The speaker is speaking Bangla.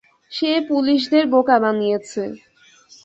সে পুলিশদের বোকা বানিয়েছে।